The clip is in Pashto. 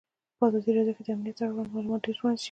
په ازادي راډیو کې د امنیت اړوند معلومات ډېر وړاندې شوي.